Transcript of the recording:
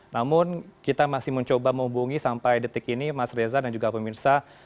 namun kita masih mencoba menghubungi sampai detik ini mas reza dan juga pemirsa